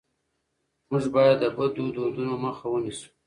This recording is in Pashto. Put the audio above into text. موږ باید د بدو دودونو مخه ونیسو.